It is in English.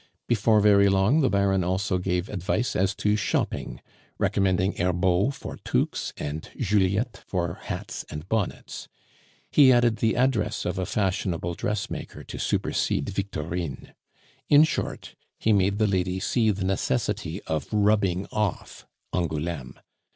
Before very long the Baron also gave advice as to shopping, recommending Herbault for toques and Juliette for hats and bonnets; he added the address of a fashionable dressmaker to supersede Victorine. In short, he made the lady see the necessity of rubbing off Angouleme.